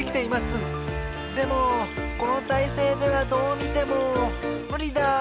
でもこのたいせいではどうみてもむりだ！